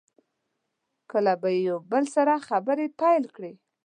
کله به یې یو له بل سره خبرې پیل کړې.